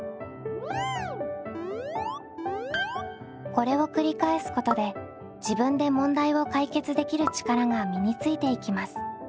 これを繰り返すことで自分で問題を解決できる力が身についていきます。